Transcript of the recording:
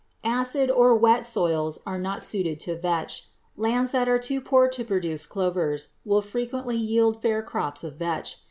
Acid or wet soils are not suited to vetch. Lands that are too poor to produce clovers will frequently yield fair crops of vetch.